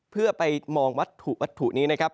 เพื่อไปมองวัตถุวัตถุนี้นะครับ